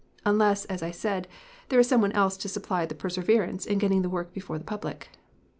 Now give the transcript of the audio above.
Unless, as I said, there is some one else to supply the perseverance in getting the work before the public.